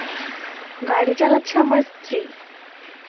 গাড়ি চালাচ্ছে আমার স্ত্রী।